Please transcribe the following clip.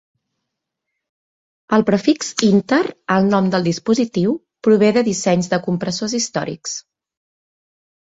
El prefix "inter" al nom del dispositiu prové de dissenys de compressors històrics.